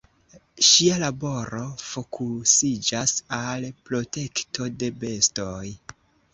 Ŝia laboro fokusiĝas al protekto de bestoj.